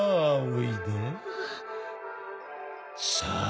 さあ。